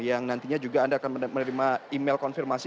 yang nantinya juga anda akan menerima email konfirmasi